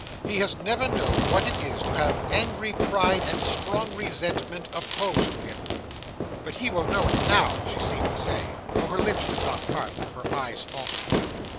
He has never known what it is to have angry pride and strong resentment opposed to him." "But he will know it now!" she seemed to say; though her lips did not part, nor her eyes falter.